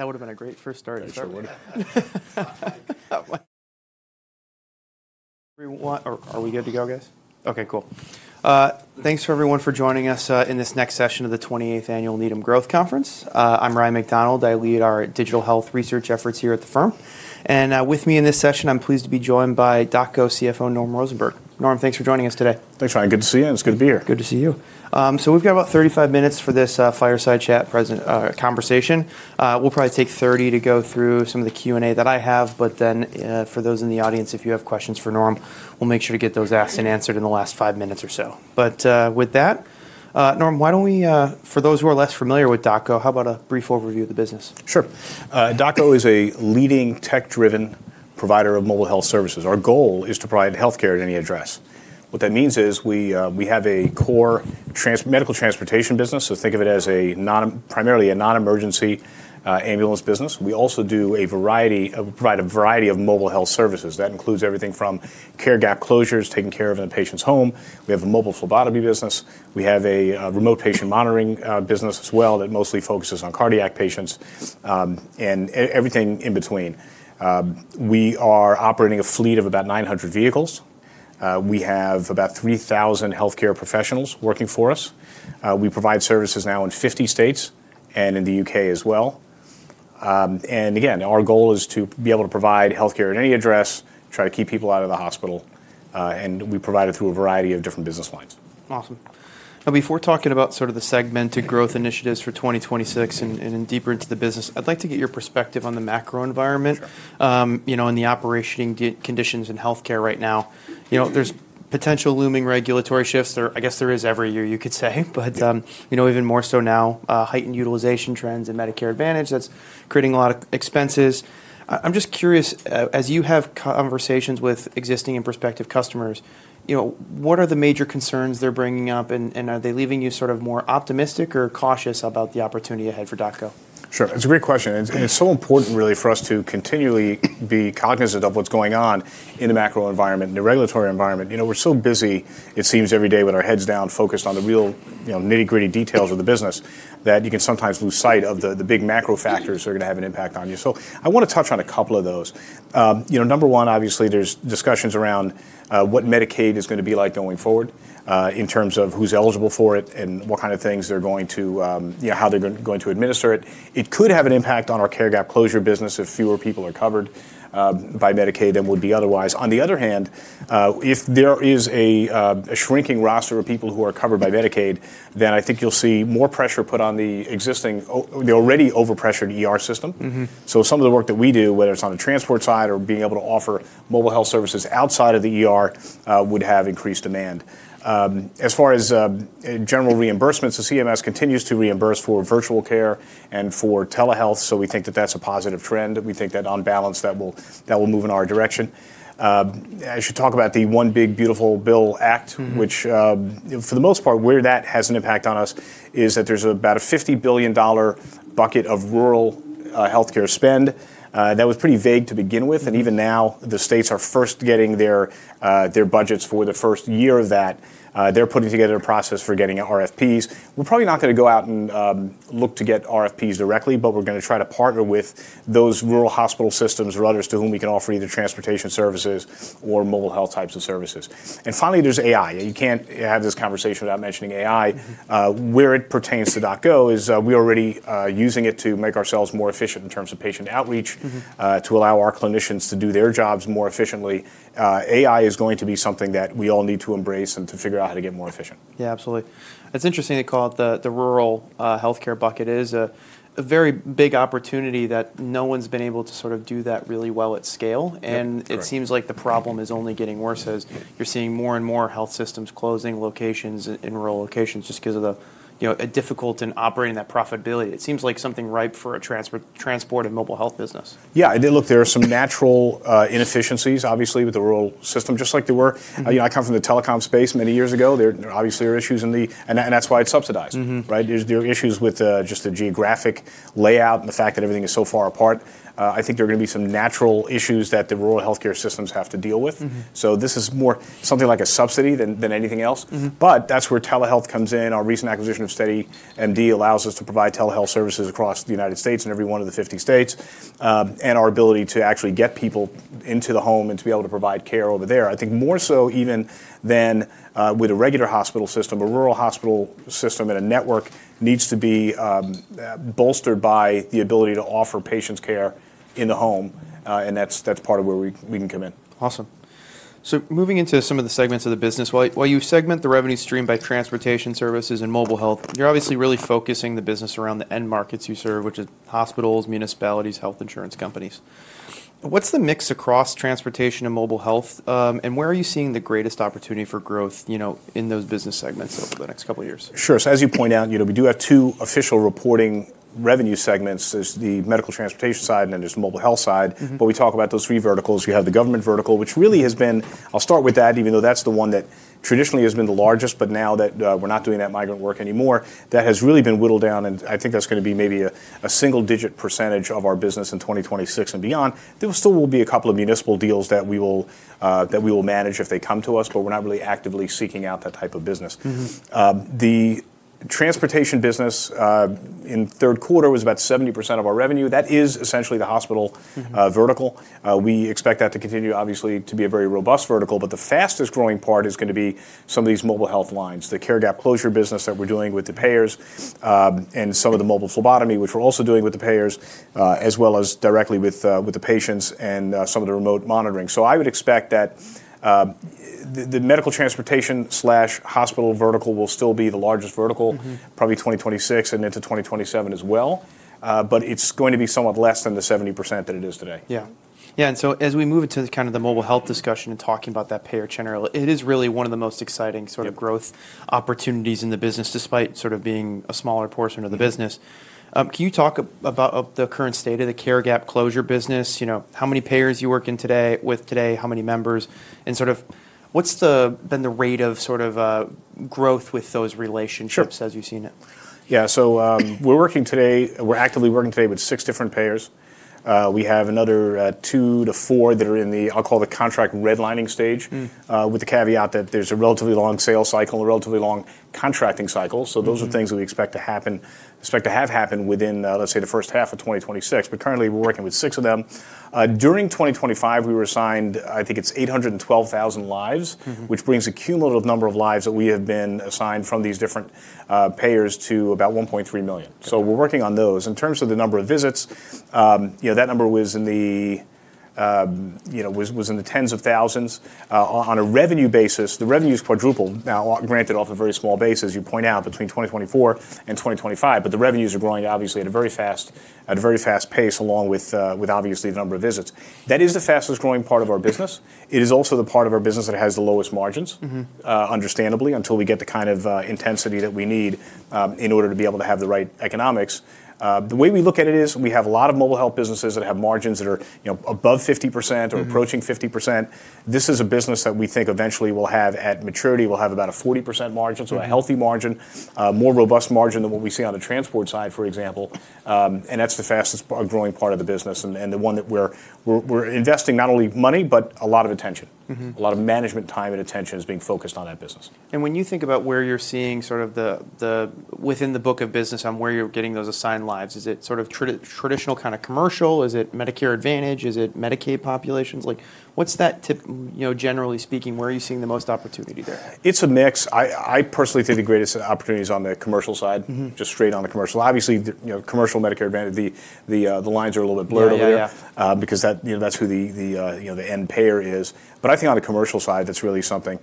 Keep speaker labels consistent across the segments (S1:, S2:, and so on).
S1: That would have been a great first start.
S2: It sure would.
S1: Are we good to go, guys? Okay, cool. Thanks for everyone for joining us in this next session of the 28th Annual Needham Growth Conference. I'm Ryan MacDonald. I lead our digital health research efforts here at the firm. And with me in this session, I'm pleased to be joined by DocGo CFO, Norm Rosenberg. Norm, thanks for joining us today.
S2: Thanks, Ryan. Good to see you. It's good to be here.
S1: Good to see you. So we've got about 35 minutes for this fireside chat conversation. We'll probably take 30 to go through some of the Q&A that I have. But then for those in the audience, if you have questions for Norm, we'll make sure to get those asked and answered in the last five minutes or so. But with that, Norm, why don't we, for those who are less familiar with DocGo, how about a brief overview of the business?
S2: Sure. DocGo is a leading tech-driven provider of mobile health services. Our goal is to provide health care at any address. What that means is we have a core medical transportation business. So think of it as primarily a non-emergency ambulance business. We also do a variety of mobile health services. That includes everything from care gap closures, taking care of a patient's home. We have a mobile phlebotomy business. We have a remote patient monitoring business as well that mostly focuses on cardiac patients and everything in between. We are operating a fleet of about 900 vehicles. We have about 3,000 health care professionals working for us. We provide services now in 50 states and in the U.K. as well. And again, our goal is to be able to provide health care at any address, try to keep people out of the hospital. We provide it through a variety of different business lines.
S1: Awesome. Now, before talking about sort of the segmented growth initiatives for 2026 and deeper into the business, I'd like to get your perspective on the macro environment and the operating conditions in health care right now. There's potential looming regulatory shifts. I guess there is every year, you could say. But even more so now, heightened utilization trends and Medicare Advantage that's creating a lot of expenses. I'm just curious, as you have conversations with existing and prospective customers, what are the major concerns they're bringing up? And are they leaving you sort of more optimistic or cautious about the opportunity ahead for DocGo?
S2: Sure. It's a great question. And it's so important, really, for us to continually be cognizant of what's going on in the macro environment, in the regulatory environment. We're so busy, it seems, every day with our heads down, focused on the real nitty-gritty details of the business that you can sometimes lose sight of the big macro factors that are going to have an impact on you. So I want to touch on a couple of those. Number one, obviously, there's discussions around what Medicaid is going to be like going forward in terms of who's eligible for it and what kind of things they're going to, how they're going to administer it. It could have an impact on our care gap closure business if fewer people are covered by Medicaid than would be otherwise. On the other hand, if there is a shrinking roster of people who are covered by Medicaid, then I think you'll see more pressure put on the existing, the already over-pressured system. So some of the work that we do, whether it's on the transport side or being able to offer mobile health services outside of the ER would have increased demand. As far as general reimbursements, the CMS continues to reimburse for virtual care and for telehealth. So we think that that's a positive trend. We think that on balance, that will move in our direction. I should talk about the One Big Beautiful Bill Act, which for the most part, where that has an impact on us is that there's about a $50 billion bucket of rural health care spend. That was pretty vague to begin with. Even now, the states are first getting their budgets for the first year of that. They're putting together a process for getting RFPs. We're probably not going to go out and look to get RFPs directly, but we're going to try to partner with those rural hospital systems or others to whom we can offer either transportation services or mobile health types of services. Finally, there's AI. You can't have this conversation without mentioning AI. Where it pertains to DocGo is we're already using it to make ourselves more efficient in terms of patient outreach, to allow our clinicians to do their jobs more efficiently. AI is going to be something that we all need to embrace and to figure out how to get more efficient.
S1: Yeah, absolutely. It's interesting to call it the rural health care bucket. It is a very big opportunity that no one's been able to sort of do that really well at scale. And it seems like the problem is only getting worse as you're seeing more and more health systems closing locations in rural locations just because of the difficulty in operating that profitability. It seems like something ripe for a transport and mobile health business.
S2: Yeah, I did look. There are some natural inefficiencies, obviously, with the rural system, just like there were. I come from the telecom space many years ago. Obviously, there are issues in the, and that's why it's subsidized. There are issues with just the geographic layout and the fact that everything is so far apart. I think there are going to be some natural issues that the rural health care systems have to deal with. So this is more something like a subsidy than anything else. But that's where telehealth comes in. Our recent acquisition of SteadyMD allows us to provide telehealth services across the United States and every one of the 50 states and our ability to actually get people into the home and to be able to provide care over there. I think more so even than with a regular hospital system, a rural hospital system and a network needs to be bolstered by the ability to offer patients care in the home, and that's part of where we can come in.
S1: Awesome. So moving into some of the segments of the business, while you segment the revenue stream by transportation services and mobile health, you're obviously really focusing the business around the end markets you serve, which are hospitals, municipalities, health insurance companies. What's the mix across transportation and mobile health? And where are you seeing the greatest opportunity for growth in those business segments over the next couple of years?
S2: Sure. So as you point out, we do have two official reporting revenue segments. There's the medical transportation side, and then there's the mobile health side. But we talk about those three verticals. You have the government vertical, which really has been, I'll start with that, even though that's the one that traditionally has been the largest, but now that we're not doing that migrant work anymore, that has really been whittled down. And I think that's going to be maybe a single-digit percentage of our business in 2026 and beyond. There still will be a couple of municipal deals that we will manage if they come to us, but we're not really actively seeking out that type of business. The transportation business in third quarter was about 70% of our revenue. That is essentially the hospital vertical. We expect that to continue, obviously, to be a very robust vertical. But the fastest growing part is going to be some of these mobile health lines, the care gap closure business that we're doing with the payers, and some of the mobile phlebotomy, which we're also doing with the payers, as well as directly with the patients and some of the remote monitoring. So I would expect that the medical transportation/hospital vertical will still be the largest vertical, probably 2026 and into 2027 as well. But it's going to be somewhat less than the 70% that it is today.
S1: Yeah. Yeah. And so as we move into kind of the mobile health discussion and talking about that payer channel, it is really one of the most exciting sort of growth opportunities in the business, despite sort of being a smaller portion of the business. Can you talk about the current state of the care gap closure business? How many payers are you working with today? How many members? And sort of what's been the rate of sort of growth with those relationships as you've seen it?
S2: Yeah. So we're working today, we're actively working today with six different payers. We have another two to four that are in the, I'll call it the contract redlining stage, with the caveat that there's a relatively long sales cycle and a relatively long contracting cycle. So those are things that we expect to happen, expect to have happened within, let's say, the first half of 2026. But currently, we're working with six of them. During 2025, we were assigned, I think it's 812,000 lives, which brings a cumulative number of lives that we have been assigned from these different payers to about 1.3 million. So we're working on those. In terms of the number of visits, that number was in the tens of thousands. On a revenue basis, the revenue has quadrupled, granted off a very small base, as you point out, between 2024 and 2025. But the revenues are growing, obviously, at a very fast pace, along with, obviously, the number of visits. That is the fastest growing part of our business. It is also the part of our business that has the lowest margins, understandably, until we get the kind of intensity that we need in order to be able to have the right economics. The way we look at it is we have a lot of mobile health businesses that have margins that are above 50% or approaching 50%. This is a business that we think eventually we'll have at maturity, we'll have about a 40% margin, so a healthy margin, more robust margin than what we see on the transport side, for example. And that's the fastest growing part of the business and the one that we're investing not only money, but a lot of attention. A lot of management time and attention is being focused on that business.
S1: When you think about where you're seeing sort of the within the book of business on where you're getting those assigned lives, is it sort of traditional kind of commercial? Is it Medicare Advantage? Is it Medicaid populations? What's that, generally speaking, where are you seeing the most opportunity there?
S2: It's a mix. I personally think the greatest opportunity is on the commercial side, just straight on the commercial. Obviously, commercial Medicare Advantage, the lines are a little bit blurred over there because that's who the end payer is. But I think on the commercial side, that's really something.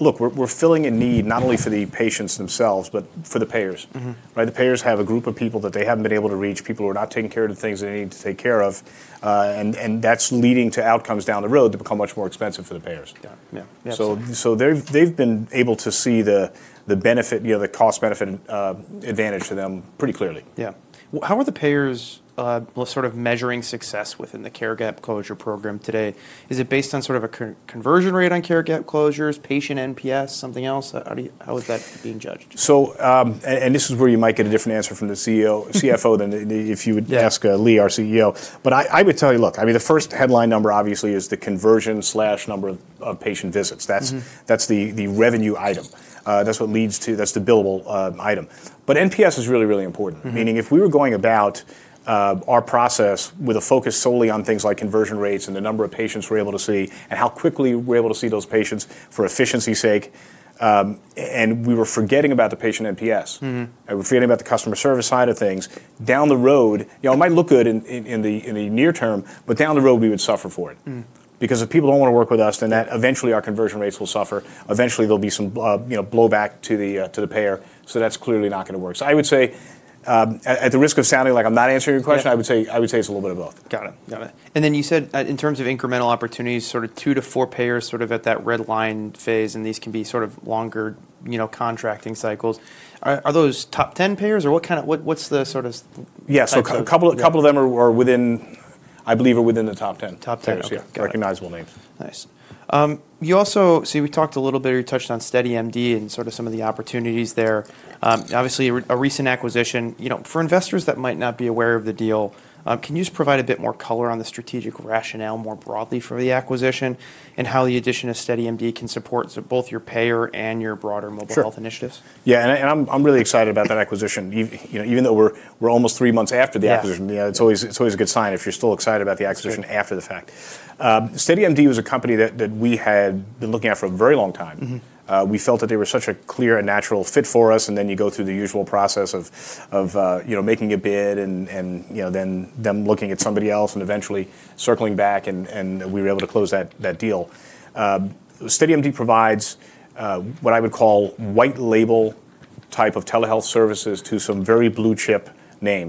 S2: Look, we're filling a need not only for the patients themselves, but for the payers. The payers have a group of people that they haven't been able to reach, people who are not taking care of the things they need to take care of. And that's leading to outcomes down the road that become much more expensive for the payers. So they've been able to see the benefit, the cost-benefit advantage to them pretty clearly.
S1: Yeah. How are the payers sort of measuring success within the care gap closure program today? Is it based on sort of a conversion rate on care gap closures, patient NPS, something else? How is that being judged?
S2: This is where you might get a different answer from the CFO than if you would ask Lee, our CEO. I would tell you, look, I mean, the first headline number, obviously, is the conversion slash number of patient visits. That's the revenue item. That's what leads to, that's the billable item. NPS is really, really important. Meaning if we were going about our process with a focus solely on things like conversion rates and the number of patients we're able to see and how quickly we're able to see those patients for efficiency's sake, and we were forgetting about the patient NPS, we were forgetting about the customer service side of things, down the road, it might look good in the near term, but down the road, we would suffer for it. Because if people don't want to work with us, then eventually our conversion rates will suffer. Eventually, there'll be some blowback to the payer. So that's clearly not going to work. So I would say, at the risk of sounding like I'm not answering your question, I would say it's a little bit of both.
S1: Got it. Got it. And then you said in terms of incremental opportunities, sort of two to four payers sort of at that redline phase, and these can be sort of longer contracting cycles. Are those top 10 payers or what kind of, what's the sort of?
S2: Yeah. So a couple of them are within, I believe, the top 10.
S1: Top 10.
S2: Recognizable names.
S1: Nice. You also, see, we talked a little bit, or you touched on SteadyMD and sort of some of the opportunities there. Obviously, a recent acquisition. For investors that might not be aware of the deal, can you just provide a bit more color on the strategic rationale more broadly for the acquisition and how the addition of SteadyMD can support both your payer and your broader mobile health initiatives?
S2: Sure. Yeah. And I'm really excited about that acquisition. Even though we're almost three months after the acquisition, it's always a good sign if you're still excited about the acquisition after the fact. SteadyMD was a company that we had been looking at for a very long time. We felt that they were such a clear and natural fit for us. And then you go through the usual process of making a bid and then them looking at somebody else and eventually circling back, and we were able to close that deal. SteadyMD provides what I would call white label type of telehealth services to some very blue-chip names.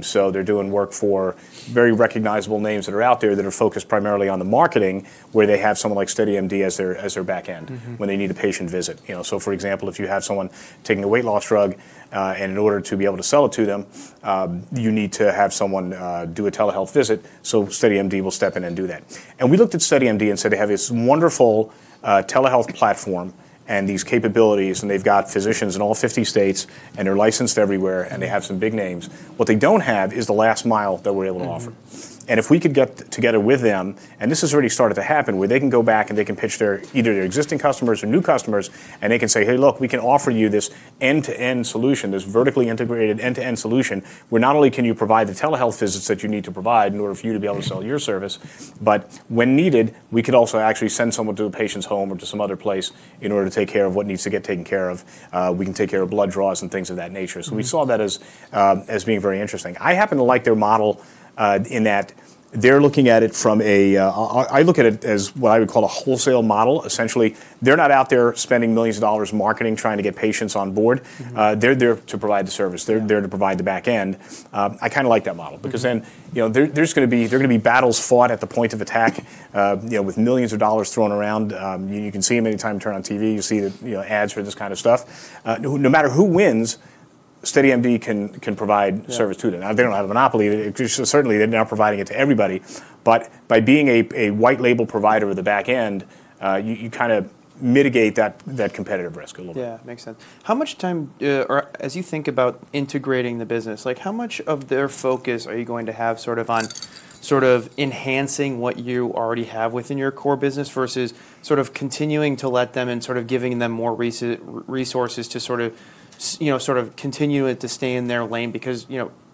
S2: So they're doing work for very recognizable names that are out there that are focused primarily on the marketing, where they have someone like SteadyMD as their back end when they need a patient visit. So for example, if you have someone taking a weight loss drug, and in order to be able to sell it to them, you need to have someone do a telehealth visit. So SteadyMD will step in and do that. And we looked at SteadyMD and said they have this wonderful telehealth platform and these capabilities, and they've got physicians in all 50 states, and they're licensed everywhere, and they have some big names. What they don't have is the last mile that we're able to offer. And if we could get together with them, and this has already started to happen, where they can go back and they can pitch either their existing customers or new customers, and they can say, "Hey, look, we can offer you this end-to-end solution, this vertically integrated end-to-end solution, where not only can you provide the telehealth visits that you need to provide in order for you to be able to sell your service, but when needed, we could also actually send someone to the patient's home or to some other place in order to take care of what needs to get taken care of. We can take care of blood draws and things of that nature." So we saw that as being very interesting. I happen to like their model in that they're looking at it from a. I look at it as what I would call a wholesale model. Essentially, they're not out there spending millions of dollars marketing, trying to get patients on board. They're there to provide the service. They're there to provide the back end. I kind of like that model because then there's going to be battles fought at the point of attack with millions of dollars thrown around. You can see them anytime you turn on TV. You see the ads for this kind of stuff. No matter who wins, SteadyMD can provide service to them. Now, they don't have a monopoly. Certainly, they're now providing it to everybody. But by being a white label provider of the back end, you kind of mitigate that competitive risk a little bit.
S1: Yeah. Makes sense. How much time, or as you think about integrating the business, how much of their focus are you going to have sort of on sort of enhancing what you already have within your core business versus sort of continuing to let them and sort of giving them more resources to sort of continue to stay in their lane? Because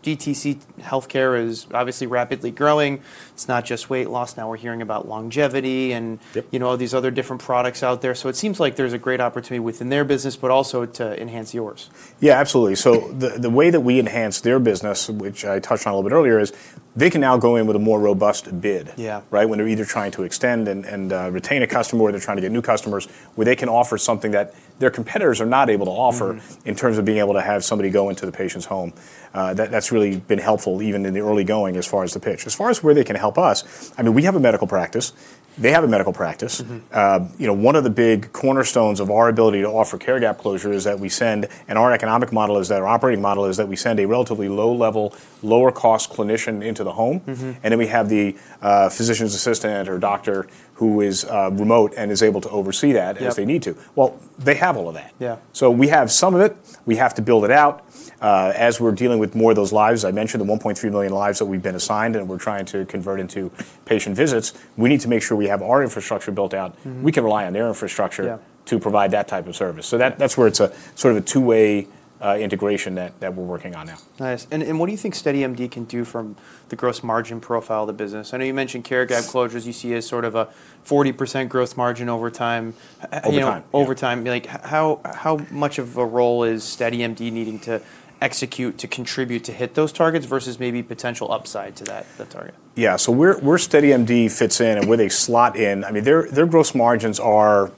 S1: DTC health care is obviously rapidly growing. It's not just weight loss. Now we're hearing about longevity and all these other different products out there. So it seems like there's a great opportunity within their business, but also to enhance yours.
S2: Yeah, absolutely. So the way that we enhance their business, which I touched on a little bit earlier, is they can now go in with a more robust bid, right, when they're either trying to extend and retain a customer or they're trying to get new customers, where they can offer something that their competitors are not able to offer in terms of being able to have somebody go into the patient's home. That's really been helpful even in the early going as far as the pitch. As far as where they can help us, I mean, we have a medical practice. They have a medical practice. One of the big cornerstones of our ability to offer care gap closure is that we send, and our economic model is that our operating model is that we send a relatively low-level, lower-cost clinician into the home. And then we have the physician's assistant or doctor who is remote and is able to oversee that as they need to. Well, they have all of that. So we have some of it. We have to build it out. As we're dealing with more of those lives, I mentioned the 1.3 million lives that we've been assigned and we're trying to convert into patient visits, we need to make sure we have our infrastructure built out. We can rely on their infrastructure to provide that type of service. So that's where it's a sort of a two-way integration that we're working on now.
S1: Nice. And what do you think SteadyMD can do from the gross margin profile of the business? I know you mentioned care gap closures you see as sort of a 40% growth margin over time.
S2: Over time?
S1: Over time, how much of a role is SteadyMD needing to execute to contribute to hit those targets versus maybe potential upside to that target?
S2: Yeah, so where SteadyMD fits in and where they slot in, I mean, their gross margins are,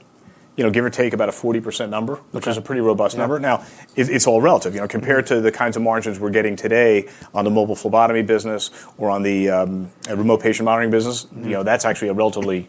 S2: give or take, about a 40% number, which is a pretty robust number. Now, it's all relative. Compared to the kinds of margins we're getting today on the mobile phlebotomy business or on the remote patient monitoring business, that's actually a relatively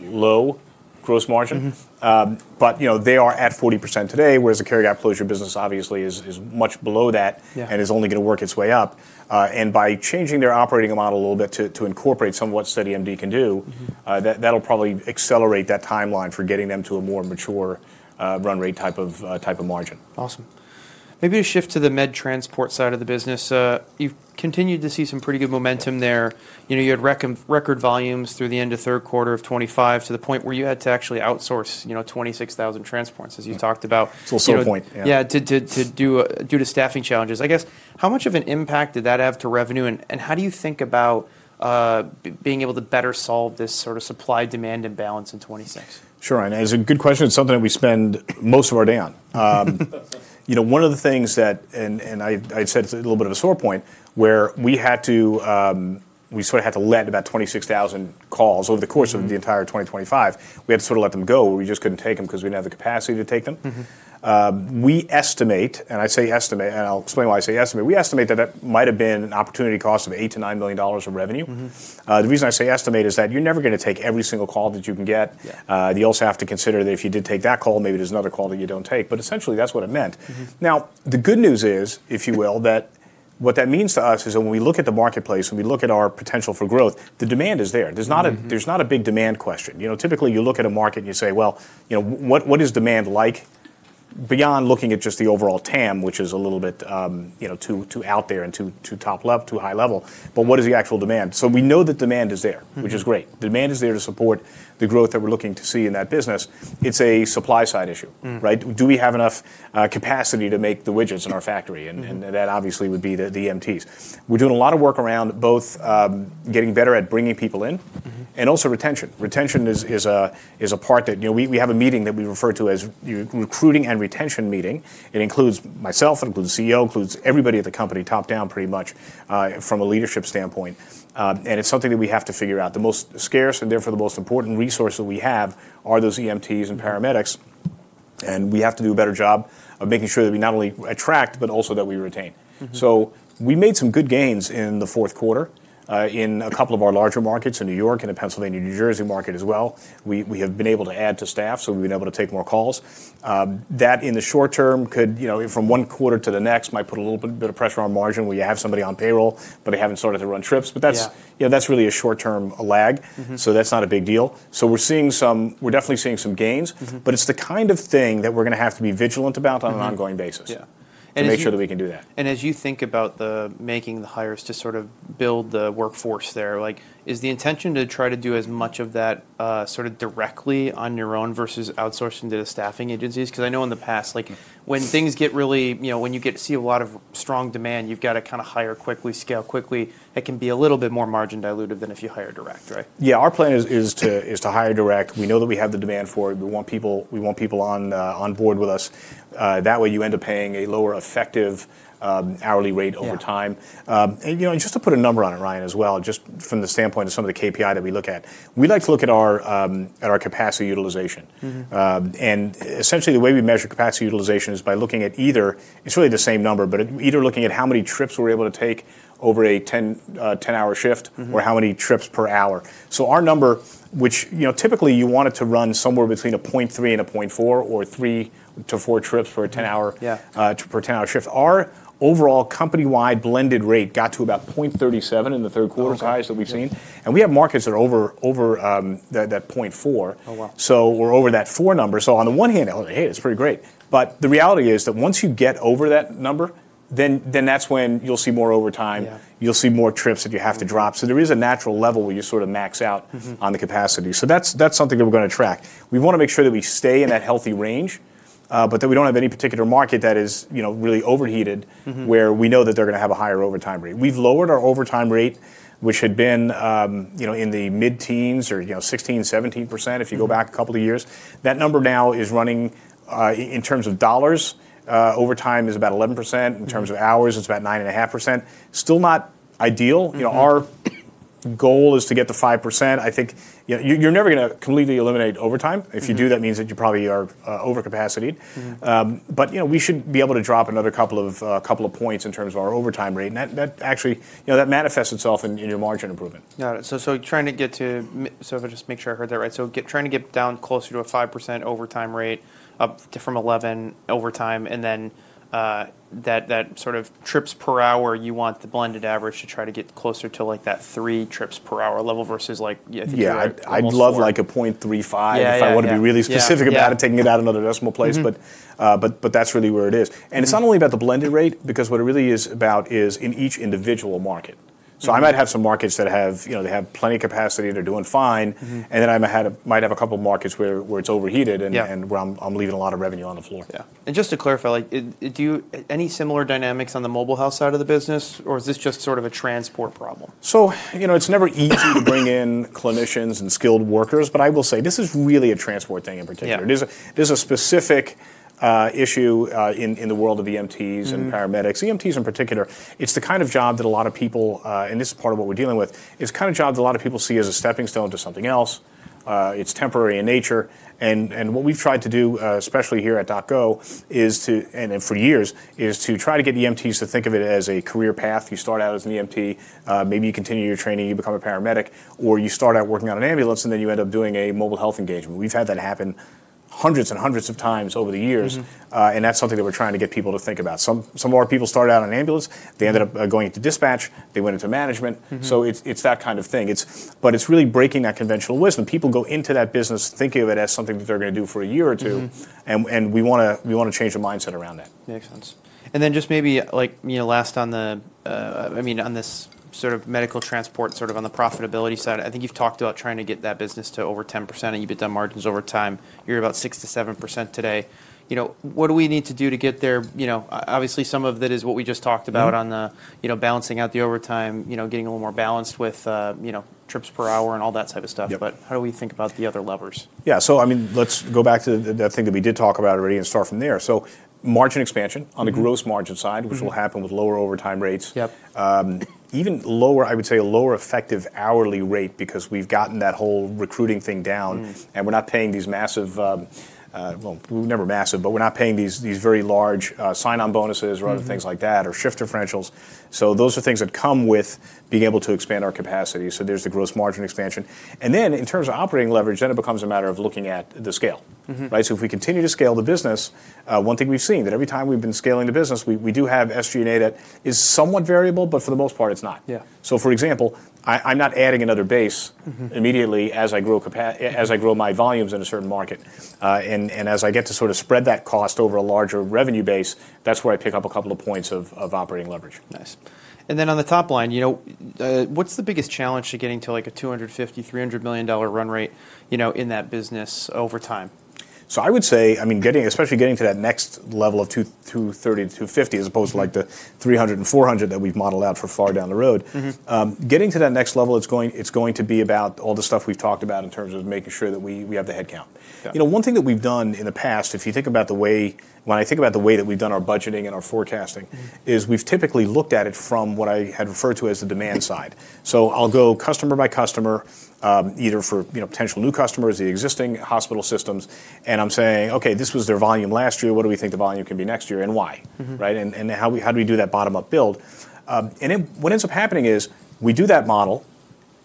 S2: low gross margin. But they are at 40% today, whereas the care gap closure business obviously is much below that and is only going to work its way up, and by changing their operating model a little bit to incorporate some of what SteadyMD can do, that'll probably accelerate that timeline for getting them to a more mature run rate type of margin.
S1: Awesome. Maybe a shift to the med transport side of the business. You've continued to see some pretty good momentum there. You had record volumes through the end of third quarter of 2025 to the point where you had to actually outsource 26,000 transports, as you talked about.
S2: It's a sole point.
S1: Yeah, due to staffing challenges. I guess, how much of an impact did that have to revenue, and how do you think about being able to better solve this sort of supply-demand imbalance in 2026?
S2: Sure. And it's a good question. It's something that we spend most of our day on. One of the things that, and I'd say it's a little bit of a sore point, where we had to, we sort of had to let about 26,000 calls over the course of the entire 2025. We had to sort of let them go. We just couldn't take them because we didn't have the capacity to take them. We estimate, and I say estimate, and I'll explain why I say estimate, we estimate that that might have been an opportunity cost of $8 million-$9 million of revenue. The reason I say estimate is that you're never going to take every single call that you can get. You also have to consider that if you did take that call, maybe there's another call that you don't take. But essentially, that's what it meant. Now, the good news is, if you will, that what that means to us is that when we look at the marketplace, when we look at our potential for growth, the demand is there. There's not a big demand question. Typically, you look at a market and you say, "Well, what is demand like?" Beyond looking at just the overall TAM, which is a little bit too out there and too top level, too high level, but what is the actual demand? So we know that demand is there, which is great. Demand is there to support the growth that we're looking to see in that business. It's a supply-side issue, right? Do we have enough capacity to make the widgets in our factory? And that obviously would be the EMTs. We're doing a lot of work around both getting better at bringing people in and also retention. Retention is a part that we have a meeting that we refer to as a recruiting and retention meeting. It includes myself, it includes the CEO, it includes everybody at the company top down pretty much from a leadership standpoint. And it's something that we have to figure out. The most scarce and therefore the most important resource that we have are those EMTs and paramedics. And we have to do a better job of making sure that we not only attract, but also that we retain. So we made some good gains in the fourth quarter in a couple of our larger markets in New York and in Pennsylvania and New Jersey market as well. We have been able to add to staff, so we've been able to take more calls. That in the short term could, from one quarter to the next, might put a little bit of pressure on margin where you have somebody on payroll, but they haven't started to run trips. But that's really a short-term lag, so that's not a big deal. So we're seeing some, we're definitely seeing some gains, but it's the kind of thing that we're going to have to be vigilant about on an ongoing basis to make sure that we can do that.
S1: As you think about making the hires to sort of build the workforce there, is the intention to try to do as much of that sort of directly on your own versus outsourcing to the staffing agencies? Because I know in the past, when you get to see a lot of strong demand, you've got to kind of hire quickly, scale quickly. It can be a little bit more margin diluted than if you hire direct, right?
S2: Yeah. Our plan is to hire direct. We know that we have the demand for it. We want people on board with us. That way, you end up paying a lower effective hourly rate over time. And just to put a number on it, Ryan, as well, just from the standpoint of some of the KPI that we look at, we like to look at our capacity utilization. And essentially, the way we measure capacity utilization is by looking at either. It's really the same number, but either looking at how many trips we're able to take over a 10-hour shift or how many trips per hour. So our number, which typically you want it to run somewhere between a 0.3 and a 0.4 or three to four trips per 10-hour shift. Our overall company-wide blended rate got to about 0.37 in the third quarter's highs that we've seen. And we have markets that are over that 0.4, so we're over that four number. So on the one hand, I was like, "Hey, that's pretty great." But the reality is that once you get over that number, then that's when you'll see more overtime. You'll see more trips that you have to drop. So there is a natural level where you sort of max out on the capacity. So that's something that we're going to track. We want to make sure that we stay in that healthy range, but that we don't have any particular market that is really overheated where we know that they're going to have a higher overtime rate. We've lowered our overtime rate, which had been in the mid-teens or 16%-17% if you go back a couple of years. That number now is running in terms of dollars. Overtime is about 11%. In terms of hours, it's about 9.5%. Still not ideal. Our goal is to get to 5%. I think you're never going to completely eliminate overtime. If you do, that means that you probably are overcapacity, but we should be able to drop another couple of points in terms of our overtime rate, and that actually manifests itself in your margin improvement.
S1: Got it. So if I just make sure I heard that right, trying to get down closer to a 5% overtime rate from 11% overtime, and then that sort of trips per hour, you want the blended average to try to get closer to that three trips per hour level versus like you had.
S2: Yeah. I'd love like a 0.35 if I want to be really specific about it, taking it out another decimal place. But that's really where it is. And it's not only about the blended rate because what it really is about is in each individual market. So I might have some markets that have plenty of capacity and they're doing fine. And then I might have a couple of markets where it's overheated and where I'm leaving a lot of revenue on the floor.
S1: Yeah. And just to clarify, any similar dynamics on the mobile health side of the business, or is this just sort of a transport problem?
S2: So it's never easy to bring in clinicians and skilled workers. But I will say this is really a transport thing in particular. There's a specific issue in the world of EMTs and paramedics. EMTs in particular, it's the kind of job that a lot of people, and this is part of what we're dealing with, it's the kind of job that a lot of people see as a stepping stone to something else. It's temporary in nature. And what we've tried to do, especially here at DocGo, and for years, is to try to get EMTs to think of it as a career path. You start out as an EMT, maybe you continue your training, you become a paramedic, or you start out working on an ambulance, and then you end up doing a mobile health engagement. We've had that happen hundreds and hundreds of times over the years. And that's something that we're trying to get people to think about. Some of our people started out on an ambulance. They ended up going into dispatch. They went into management. So it's that kind of thing. But it's really breaking that conventional wisdom. People go into that business thinking of it as something that they're going to do for a year or two. And we want to change the mindset around that.
S1: Makes sense. And then just maybe last on the, I mean, on this sort of medical transport, sort of on the profitability side, I think you've talked about trying to get that business to over 10% and you've hit down margins over time. You're about 6%-7% today. What do we need to do to get there? Obviously, some of that is what we just talked about on balancing out the overtime, getting a little more balanced with trips per hour and all that type of stuff. But how do we think about the other levers?
S2: Yeah. So I mean, let's go back to that thing that we did talk about already and start from there. So margin expansion on the gross margin side, which will happen with lower overtime rates. Even lower, I would say a lower effective hourly rate because we've gotten that whole recruiting thing down. And we're not paying these massive, well, we're never massive, but we're not paying these very large sign-on bonuses or other things like that or shift differentials. So those are things that come with being able to expand our capacity. So there's the gross margin expansion. And then in terms of operating leverage, then it becomes a matter of looking at the scale, right? So if we continue to scale the business, one thing we've seen that every time we've been scaling the business, we do have SG&A that is somewhat variable, but for the most part, it's not. So for example, I'm not adding another base immediately as I grow my volumes in a certain market. And as I get to sort of spread that cost over a larger revenue base, that's where I pick up a couple of points of operating leverage.
S1: Nice. And then on the top line, what's the biggest challenge to getting to like a $250 million-$300 million run rate in that business over time?
S2: So I would say, I mean, especially getting to that next level of $230 million, $250 million as opposed to like the $300 million, $400 million that we've modeled out for far down the road, getting to that next level, it's going to be about all the stuff we've talked about in terms of making sure that we have the headcount. One thing that we've done in the past, if you think about the way, when I think about the way that we've done our budgeting and our forecasting, is we've typically looked at it from what I had referred to as the demand side. So I'll go customer by customer, either for potential new customers, the existing hospital systems, and I'm saying, "Okay, this was their volume last year. What do we think the volume can be next year and why?" Right? And how do we do that bottom-up build? Then what ends up happening is we do that model,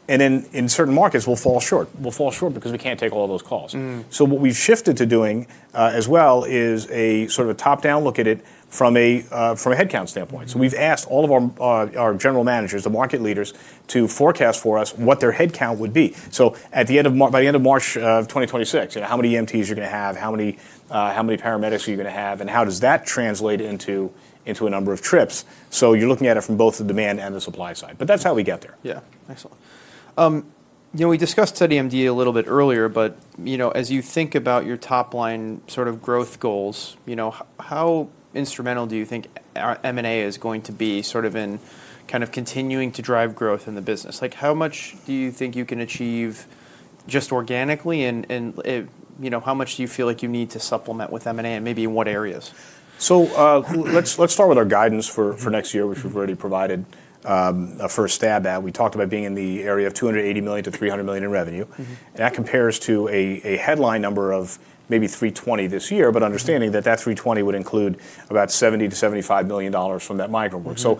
S2: and then in certain markets, we'll fall short. We'll fall short because we can't take all those calls. What we've shifted to doing as well is a sort of a top-down look at it from a headcount standpoint. We've asked all of our general managers, the market leaders, to forecast for us what their headcount would be. By the end of March of 2026, how many EMTs you're going to have, how many paramedics are you going to have, and how does that translate into a number of trips? You're looking at it from both the demand and the supply side. That's how we get there.
S1: Yeah. Excellent. We discussed to the MD a little bit earlier, but as you think about your top line sort of growth goals, how instrumental do you think M&A is going to be sort of in kind of continuing to drive growth in the business? How much do you think you can achieve just organically, and how much do you feel like you need to supplement with M&A, and maybe in what areas?
S2: So let's start with our guidance for next year, which we've already provided a first stab at. We talked about being in the area of $280 million-$300 million in revenue. And that compares to a headline number of maybe $320 million this year, but understanding that that $320 million would include about $70 million-$75 million from that migrant work. So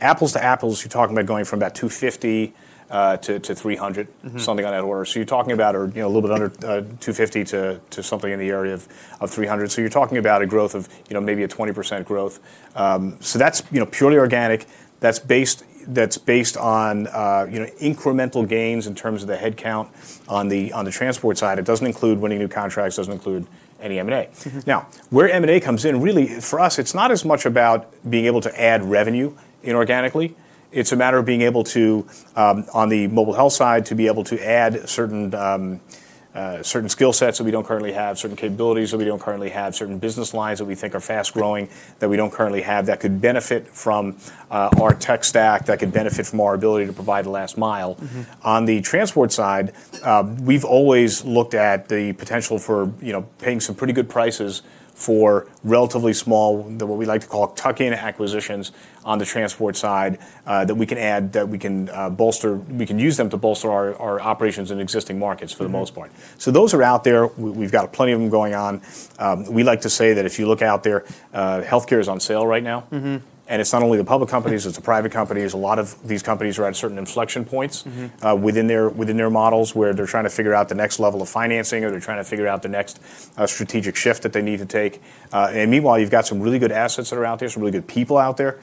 S2: apples to apples, you're talking about going from about $250 million-$300 million, something on that order. So you're talking about a little bit under $250 million to something in the area of $300 million. So you're talking about a growth of maybe a 20% growth. So that's purely organic. That's based on incremental gains in terms of the headcount on the transport side. It doesn't include winning new contracts, doesn't include any M&A. Now, where M&A comes in, really for us, it's not as much about being able to add revenue inorganically. It's a matter of being able to, on the mobile health side, to be able to add certain skill sets that we don't currently have, certain capabilities that we don't currently have, certain business lines that we think are fast-growing that we don't currently have that could benefit from our tech stack, that could benefit from our ability to provide the last mile. On the transport side, we've always looked at the potential for paying some pretty good prices for relatively small, what we like to call tuck-in acquisitions on the transport side that we can add, that we can bolster, we can use them to bolster our operations in existing markets for the most part. So those are out there. We've got plenty of them going on. We like to say that if you look out there, healthcare is on sale right now, and it's not only the public companies, it's the private companies. A lot of these companies are at certain inflection points within their models where they're trying to figure out the next level of financing or they're trying to figure out the next strategic shift that they need to take, and meanwhile, you've got some really good assets that are out there, some really good people out there,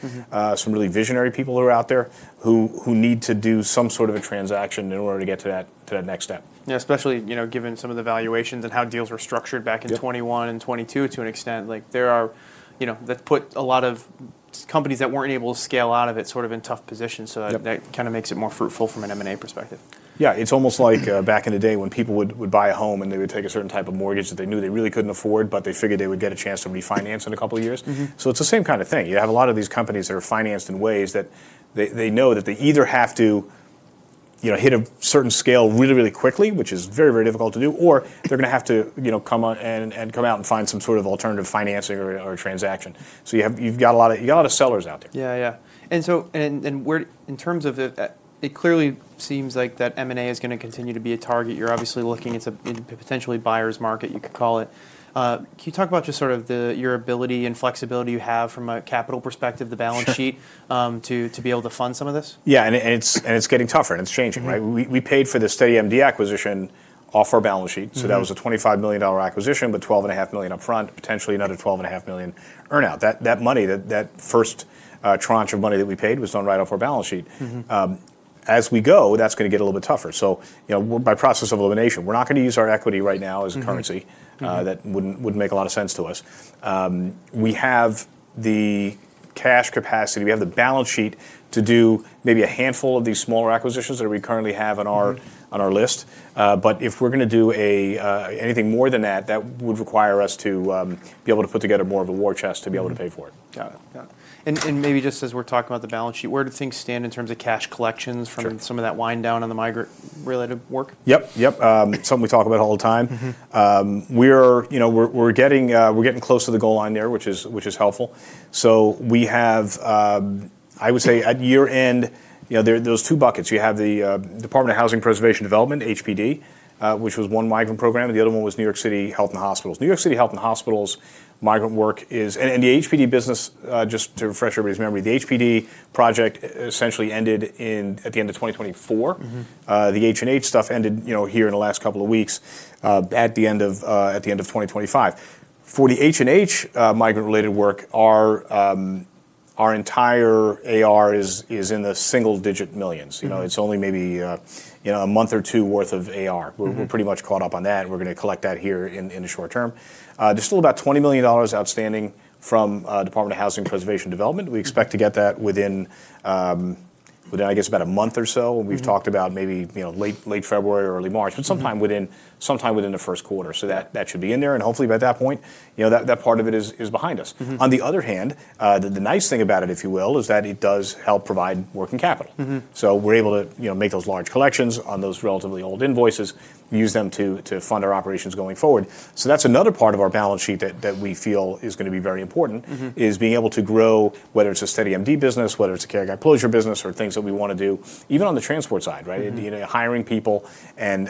S2: some really visionary people who are out there who need to do some sort of a transaction in order to get to that next step.
S1: Yeah. Especially given some of the valuations and how deals were structured back in 2021 and 2022 to an extent, that's put a lot of companies that weren't able to scale out of it sort of in tough positions. So that kind of makes it more fruitful from an M&A perspective.
S2: Yeah. It's almost like back in the day when people would buy a home and they would take a certain type of mortgage that they knew they really couldn't afford, but they figured they would get a chance to refinance in a couple of years. So it's the same kind of thing. You have a lot of these companies that are financed in ways that they know that they either have to hit a certain scale really, really quickly, which is very, very difficult to do, or they're going to have to come out and find some sort of alternative financing or transaction. So you've got a lot of sellers out there.
S1: Yeah. And so in terms of it, it clearly seems like that M&A is going to continue to be a target. You're obviously looking at a potentially buyer's market, you could call it. Can you talk about just sort of your ability and flexibility you have from a capital perspective, the balance sheet, to be able to fund some of this?
S2: Yeah. And it's getting tougher and it's changing, right? We paid for the SteadyMD acquisition off our balance sheet. So that was a $25 million acquisition, but $12.5 million upfront, potentially another $12.5 million earn-out. That money, that first tranche of money that we paid was done right off our balance sheet. As we go, that's going to get a little bit tougher. So by process of elimination, we're not going to use our equity right now as a currency. That wouldn't make a lot of sense to us. We have the cash capacity. We have the balance sheet to do maybe a handful of these smaller acquisitions that we currently have on our list. But if we're going to do anything more than that, that would require us to be able to put together more of a war chest to be able to pay for it.
S1: Got it. Yeah. And maybe just as we're talking about the balance sheet, where do things stand in terms of cash collections from some of that wind down on the migrant-related work?
S2: Yep. Yep. Something we talk about all the time. We're getting close to the goal line there, which is helpful. So we have, I would say at year end, there's two buckets. You have the Department of Housing Preservation and Development, HPD, which was one migrant program, and the other one was New York City Health and Hospitals. New York City Health and Hospitals migrant work is, and the HPD business, just to refresh everybody's memory, the HPD project essentially ended at the end of 2024. The H&H stuff ended here in the last couple of weeks at the end of 2025. For the H&H migrant-related work, our entire AR is in the single-digit millions. It's only maybe a month or two worth of AR. We're going to collect that here in the short term. There's still about $20 million outstanding from the Department of Housing Preservation and Development. We expect to get that within, I guess, about a month or so. We've talked about maybe late February or early March, but sometime within the first quarter. So that should be in there. And hopefully by that point, that part of it is behind us. On the other hand, the nice thing about it, if you will, is that it does help provide working capital. So we're able to make those large collections on those relatively old invoices, use them to fund our operations going forward. So that's another part of our balance sheet that we feel is going to be very important is being able to grow, whether it's a SteadyMD business, whether it's a care gap closure business, or things that we want to do, even on the transport side, right? Hiring people and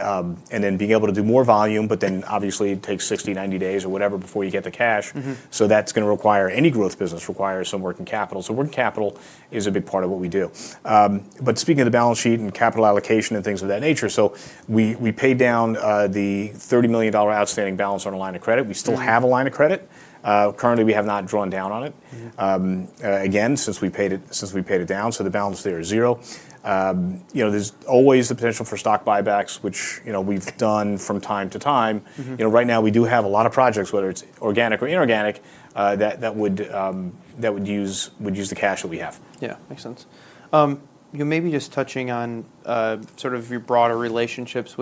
S2: then being able to do more volume, but then obviously it takes 60, 90 days or whatever before you get the cash, so that's going to require. Any growth business requires some working capital, so working capital is a big part of what we do, but speaking of the balance sheet and capital allocation and things of that nature, so we paid down the $30 million outstanding balance on a line of credit. We still have a line of credit. Currently, we have not drawn down on it, again, since we paid it down, so the balance there is zero. There's always the potential for stock buybacks, which we've done from time to time. Right now, we do have a lot of projects, whether it's organic or inorganic, that would use the cash that we have.
S1: Yeah. Makes sense. Maybe just touching on sort of your broader relationships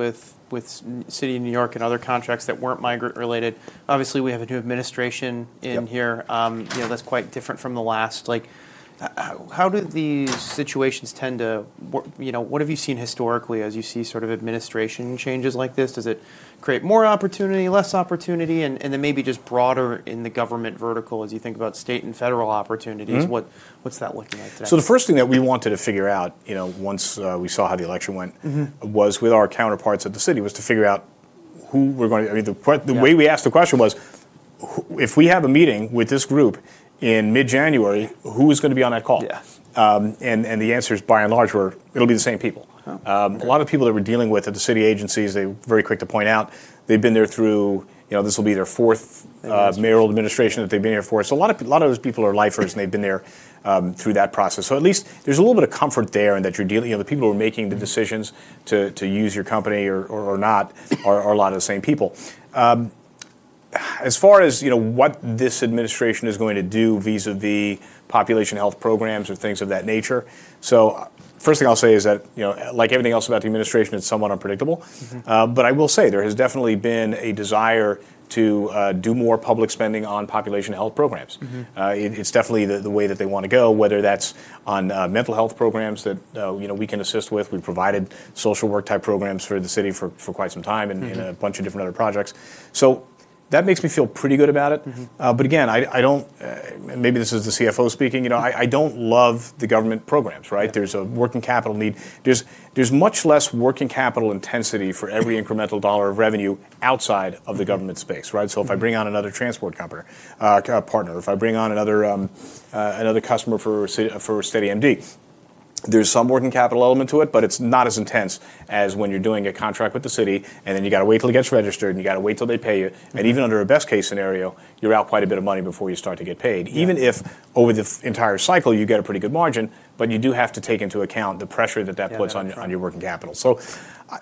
S1: with City of New York and other contracts that weren't migrant-related. Obviously, we have a new administration in here. That's quite different from the last. How do these situations tend to, what have you seen historically as you see sort of administration changes like this? Does it create more opportunity, less opportunity, and then maybe just broader in the government vertical as you think about state and federal opportunities? What's that looking like today?
S2: So the first thing that we wanted to figure out once we saw how the election went was with our counterparts at the city was to figure out who we're going to. I mean, the way we asked the question was, if we have a meeting with this group in mid-January, who is going to be on that call? And the answers by and large were, it'll be the same people. A lot of people that we're dealing with at the city agencies, they're very quick to point out, they've been there through, this will be their fourth mayoral administration that they've been here for. So a lot of those people are lifers and they've been there through that process. So at least there's a little bit of comfort there in that you're dealing, the people who are making the decisions to use your company or not are a lot of the same people. As far as what this administration is going to do vis-à-vis population health programs or things of that nature, so first thing I'll say is that like everything else about the administration, it's somewhat unpredictable. But I will say there has definitely been a desire to do more public spending on population health programs. It's definitely the way that they want to go, whether that's on mental health programs that we can assist with. We've provided social work type programs for the city for quite some time and a bunch of different other projects. So that makes me feel pretty good about it. But again, I don't, and maybe this is the CFO speaking. I don't love the government programs, right? There's a working capital need. There's much less working capital intensity for every incremental dollar of revenue outside of the government space, right? So if I bring on another transport company partner, if I bring on another customer for SteadyMD, there's some working capital element to it, but it's not as intense as when you're doing a contract with the city and then you got to wait till it gets registered and you got to wait till they pay you. And even under a best case scenario, you're out quite a bit of money before you start to get paid. Even if over the entire cycle you get a pretty good margin, but you do have to take into account the pressure that that puts on your working capital. So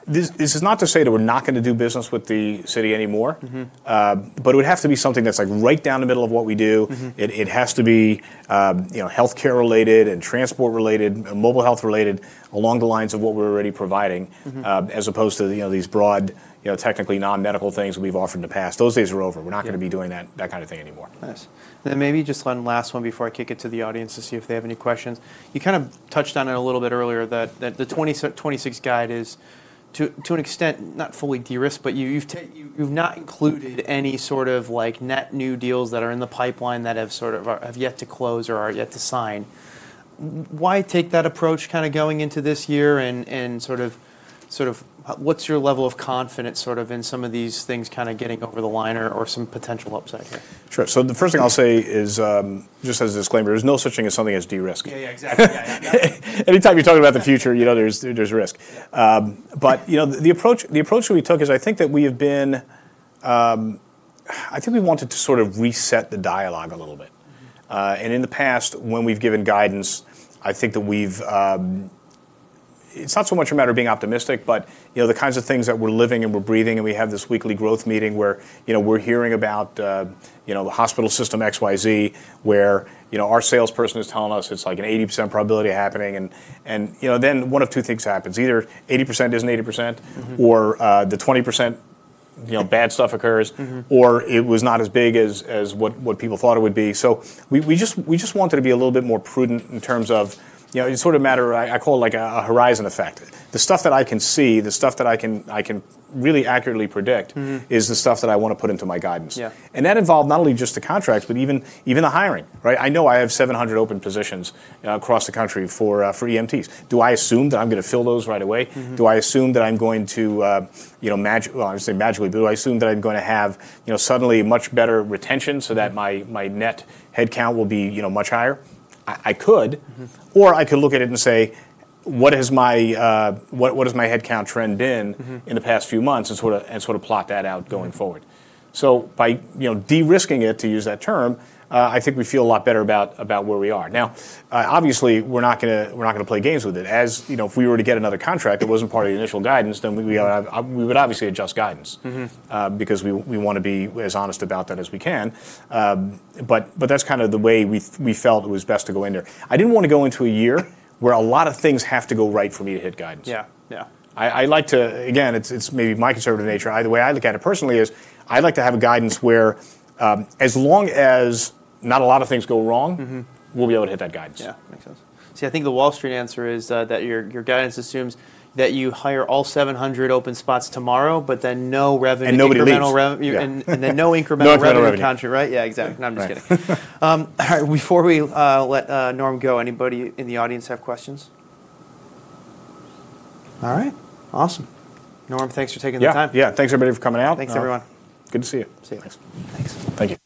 S2: this is not to say that we're not going to do business with the city anymore, but it would have to be something that's like right down the middle of what we do. It has to be healthcare related and transport related, mobile health related, along the lines of what we're already providing as opposed to these broad technically non-medical things we've offered in the past. Those days are over. We're not going to be doing that kind of thing anymore.
S1: Nice. And then maybe just one last one before I kick it to the audience to see if they have any questions. You kind of touched on it a little bit earlier that the 2026 guide is to an extent not fully de-risked, but you've not included any sort of net new deals that are in the pipeline that have sort of yet to close or are yet to sign. Why take that approach kind of going into this year and sort of what's your level of confidence sort of in some of these things kind of getting over the line or some potential upside here?
S2: Sure. So the first thing I'll say is just as a disclaimer, there's no such thing as something as de-risked.
S1: Yeah. Yeah. Exactly.
S2: Anytime you talk about the future, there's risk, but the approach that we took is I think that we have been, I think we wanted to sort of reset the dialogue a little bit, and in the past, when we've given guidance, I think that we've, it's not so much a matter of being optimistic, but the kinds of things that we're living and we're breathing and we have this weekly growth meeting where we're hearing about the hospital system XYZ, where our salesperson is telling us it's like an 80% probability of happening, and then one of two things happens. Either 80% isn't 80% or the 20% bad stuff occurs or it was not as big as what people thought it would be, so we just wanted to be a little bit more prudent in terms of it's sort of a matter, I call it like a horizon effect. The stuff that I can see, the stuff that I can really accurately predict is the stuff that I want to put into my guidance, and that involved not only just the contracts, but even the hiring, right? I know I have 700 open positions across the country for EMTs. Do I assume that I'm going to fill those right away? Do I assume that I'm going to, well, I'm just saying magically, but do I assume that I'm going to have suddenly much better retention so that my net headcount will be much higher? I could, or I could look at it and say, what has my headcount trend been in the past few months and sort of plot that out going forward. So by de-risking it, to use that term, I think we feel a lot better about where we are. Now, obviously, we're not going to play games with it. If we were to get another contract that wasn't part of the initial guidance, then we would obviously adjust guidance because we want to be as honest about that as we can. But that's kind of the way we felt it was best to go in there. I didn't want to go into a year where a lot of things have to go right for me to hit guidance. Yeah. Yeah. I like to, again, it's maybe my conservative nature. Either way, I look at it personally as I like to have a guidance where as long as not a lot of things go wrong, we'll be able to hit that guidance.
S1: Yeah. Makes sense. See, I think the Wall Street answer is that your guidance assumes that you hire all 700 open spots tomorrow, but then no revenue.
S2: Nobody leaves.
S1: And then no incremental revenue contract. Right? Yeah. Exactly. No, I'm just kidding. All right. Before we let Norm go, anybody in the audience have questions? All right. Awesome. Norm, thanks for taking the time.
S2: Yeah. Yeah. Thanks, everybody, for coming out.
S1: Thanks, everyone.
S2: Good to see you.
S1: See you.
S2: Thanks.
S1: Thanks.